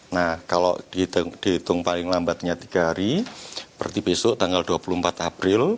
nah kalau dihitung paling lambatnya tiga hari berarti besok tanggal dua puluh empat april